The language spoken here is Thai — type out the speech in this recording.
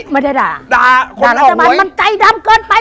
มันใจดำเกินไป